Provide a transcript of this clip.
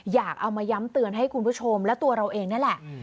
อยากเอามาย้ำเตือนให้คุณผู้ชมและตัวเราเองนั่นแหละ